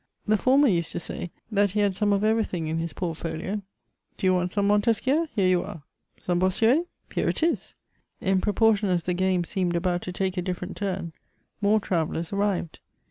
The former used to say that he had some of everything in his portfolio. Do you want some Montesquieu? Here you are. Some Bossuet? Here it is! In proportion as the game seemed about to take a different turn, more travellers arrived.